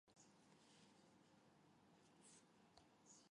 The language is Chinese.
王室遭拘于圣殿塔内。